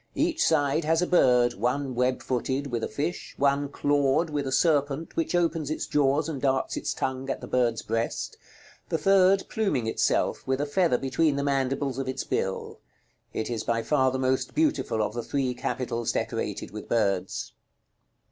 Each side has a bird, one web footed, with a fish, one clawed, with a serpent, which opens its jaws, and darts its tongue at the bird's breast; the third pluming itself, with a feather between the mandibles of its bill. It is by far the most beautiful of the three capitals decorated with birds.